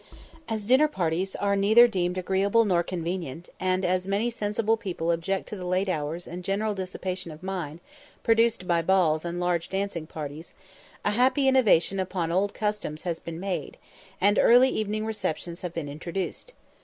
As dinner parties are neither deemed agreeable nor convenient, and as many sensible people object to the late hours and general dissipation of mind produced by balls and large dancing parties, a happy innovation upon old customs has been made, and early evening receptions have been introduced.